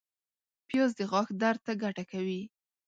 پیاز د غاښ درد ته ګټه کوي